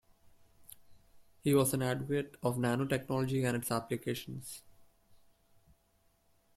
He was an advocate of nanotechnology and its applications.